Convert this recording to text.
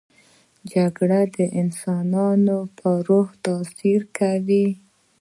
جګړه د انسانانو پر روح اغېز کوي